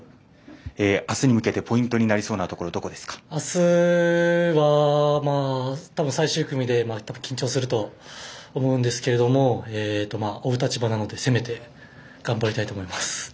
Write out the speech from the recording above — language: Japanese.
あすに向けてポイントになりそうなところあすはたぶん最終組で緊張すると思うんですけど追う立場なので攻めて頑張りたいと思います。